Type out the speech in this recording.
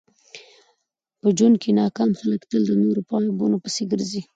په ژوند کښي ناکام خلک تل د نور په عیبو پيسي ګرځي.